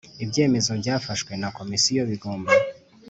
Ibyemezo byafashwe na Komisiyo bigomba